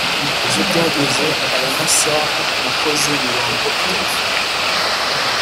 Ejo byageze ayamasaha nakooze mirongo itatu